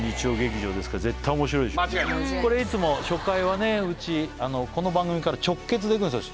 これでもこれいつも初回はねうちこの番組から直結でいくんですよ